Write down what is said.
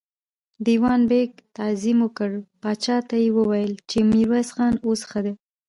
دېوان بېګ تعظيم وکړ، پاچا ته يې وويل چې ميرويس خان اوس ښه دی.